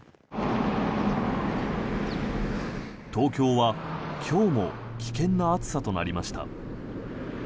東京は今日も危険な暑さとなりました。